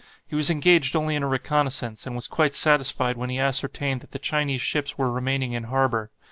He was engaged only in a reconnaissance, and was quite satisfied when he ascertained that the Chinese ships were remaining in harbour.